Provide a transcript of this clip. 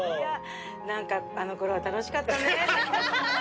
何かあのころは楽しかったね。